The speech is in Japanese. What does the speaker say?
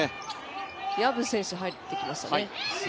薮選手が入ってきました。